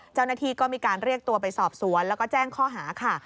เจ้าหน้าที่ก็มีการเรียกตัวไปสอบสวนแล้วก็แจ้งข้อหาค่ะ